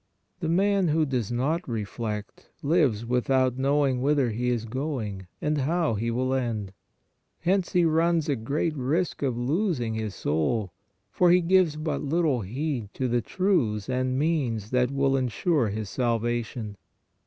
The man who does not reflect, lives without knowing whither he is going and how he will end; hence he runs a great risk of losing his soul, for he gives but little heed to the truths and means that will insure his salvation.